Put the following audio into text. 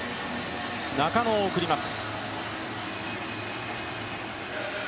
中野を送ります。